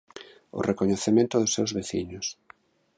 O recoñecemento dos seus veciños.